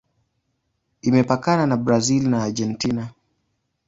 Imepakana na Brazil na Argentina.